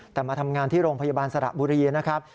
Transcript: แต่มาทำงานที่โรงพยาบาลสระบุรีนะครับ